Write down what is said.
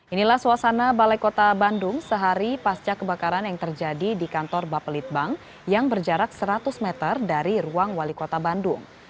inilah suasana balai kota bandung sehari pasca kebakaran yang terjadi di kantor bapelitbang yang berjarak seratus meter dari ruang wali kota bandung